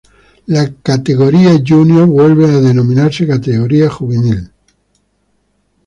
La categoría júnior vuelve a denominarse categoría juvenil.